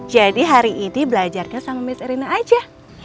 jadi hari ini belajarnya sama miss erina aja